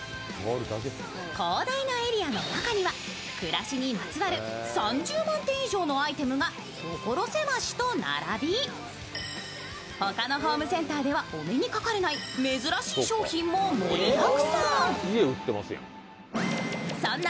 広大なエリアの中には暮らしにまつわる３０万点以上のアイテムが所狭しと並び他のホームセンターではお目にかかれない珍しい商品も盛りだくさん。